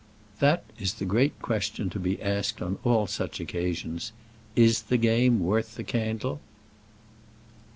That is the great question to be asked on all such occasions, "Is the game worth the candle?"